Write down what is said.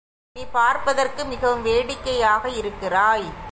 நீ பார்ப்பதற்கு மிகவும் வேடிக்கையாக இருக்கிறாய்.